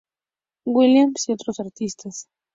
Williams y otros artistas.